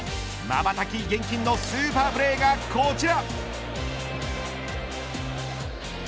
まばたき厳禁のスーパープレーがこちら。